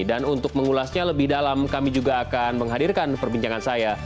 dan untuk mengulasnya lebih dalam kami juga akan menghadirkan perbincangan saya